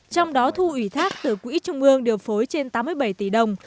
trong đó thu ủy thác từ quỹ trung ương điều phối trên tám mươi bảy tỷ đồng